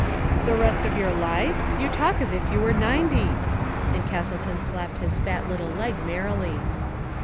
" The rest of your life ? You talk as if you were ninety !" And Castleton slapped his fat little leg merrily.